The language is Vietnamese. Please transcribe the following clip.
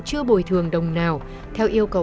chưa bồi thường đồng nào theo yêu cầu